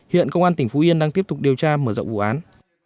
hiện công an tỉnh phú yên đang tiếp tục điều tra mở rộng vụ án